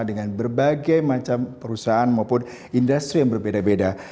dengan berbagai macam perusahaan maupun industri yang berbeda beda